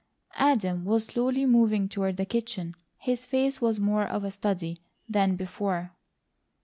Adam was slowly moving toward the kitchen, his face more of a study than before.